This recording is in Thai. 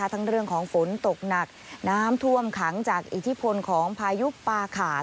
ทั้งเรื่องของฝนตกหนักน้ำท่วมขังจากอิทธิพลของพายุปาขา